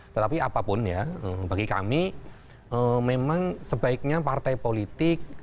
tetapi apapun ya bagi kami memang sebaiknya partai politik